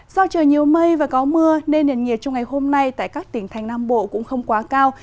do trời nhiều mây và có mưa nên nền nhiệt trong ngày hôm nay tại các tỉnh thành nam bộ cũng không quá cao